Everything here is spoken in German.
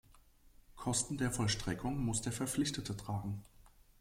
Kosten der Vollstreckung muss der Verpflichtete tragen.